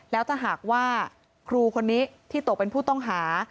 แล้วถ้าหากว่าครูคนนี้ที่ตกเป็นผู้ต้องหา